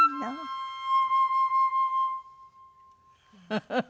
フフフ。